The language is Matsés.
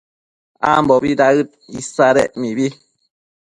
abimbo daëd isadec mibi